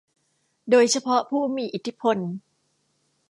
โดยเฉพาะผู้มีอิทธิพล